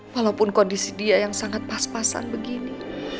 walaupun kondisi dia yang sangat pas pasan begini